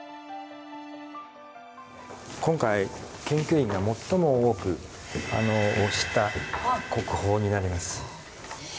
今回研究員が最も多く推した国宝になります。